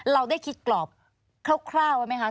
เราได้คิดกรอบคร่าวไว้ไหมคะ